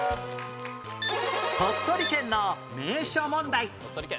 鳥取県の名所問題